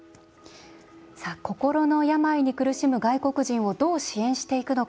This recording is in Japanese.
心の病に苦しむ外国人をどう支援していくのか。